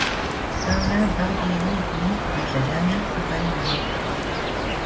Paula Barbieri est connue pour être la dernière compagne d'O.